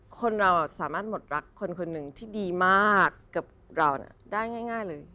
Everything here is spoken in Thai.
คนเราสามารถหมดรักคนคนหนึ่งที่ดีมากกับเราได้ง่ายเลย